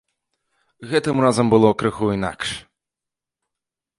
Гэтым разам было крыху інакш.